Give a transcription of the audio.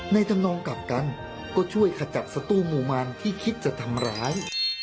ทำนองกลับกันก็ช่วยขจัดสตู้หมู่มันที่คิดจะทำร้าย